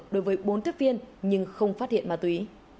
đối với bốn tiếp viên nhưng không phát hiện ma túy